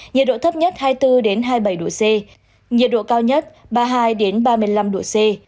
nhiệt độ thấp nhất hai mươi bốn hai mươi bảy độ c nhiệt độ cao nhất ba mươi hai ba mươi năm độ c